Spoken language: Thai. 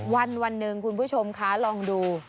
วันหนึ่งคุณผู้ชมคะลองดู